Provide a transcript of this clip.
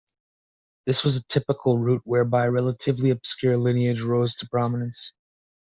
This was a typical route whereby relatively obscure lineages rose to prominence.